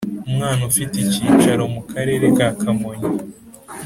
Umwana ufite icyicaro mu karere ka kamonyi